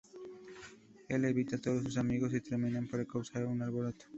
Él invita a todos sus amigos y terminan por causar un alboroto.